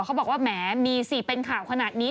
เขาบอกว่าแหมมีสิเป็นข่าวขนาดนี้